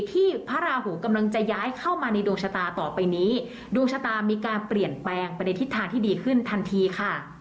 พระราหูกำลังจะย้ายเข้ามาในดวงชะตาต่อไปนี้ดวงชะตามีการเปลี่ยนแปลงไปในทิศทางที่ดีขึ้นทันทีค่ะ